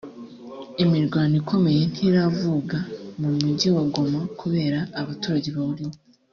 Imirwano ikomeye ntiravuga mu mujyi wa Goma kubera abaturage bawurimo